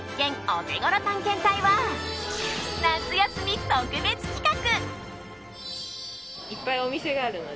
オテゴロ探検隊は夏休み特別企画。